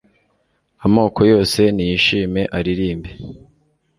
amoko yose niyishime, aririmbe